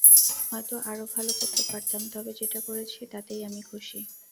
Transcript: হয়তো আরও ভালো করতে পারতাম, তবে যেটা করেছি তাতেই আমি খুশি।